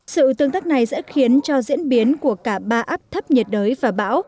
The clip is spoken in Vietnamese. sự tương tác này sẽ khiến cho diễn biến của cả ba áp thấp nhiệt đới và bão